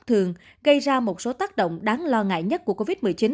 thường gây ra một số tác động đáng lo ngại nhất của covid một mươi chín